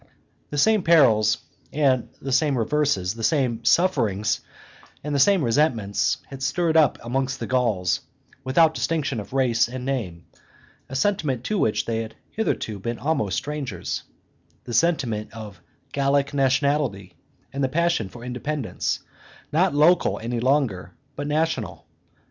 The same perils and the same reverses, the same sufferings and the same resentments, had stirred up amongst the Gauls, without distinction of race and name, a sentiment to which they had hitherto been almost strangers, the sentiment of Gallic nationality and the passion for independence, not local any longer, but national.